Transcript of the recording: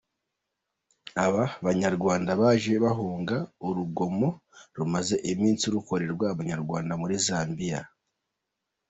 Aba Banyarwanda baje bahunga urugomo rumaze iminsi rukorerwa Abanyarwanda muri Zambia.